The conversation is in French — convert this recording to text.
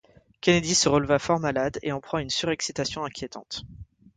Kennedy se releva fort malade, et en proie à une surexcitation inquiétante.